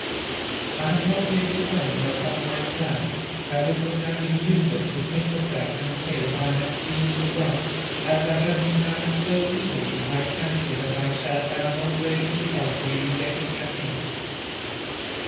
I have not yet determined upon my plan, as it would have been useless to think of that, until I had seen you but, as that has been managed so easily, I fancy that I shall have no great difficulty in getting at him.